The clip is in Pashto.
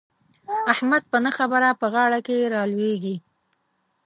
احمد په نه خبره په غاړه کې را لوېږي.